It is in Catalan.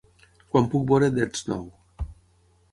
quan puc veure Dead Snow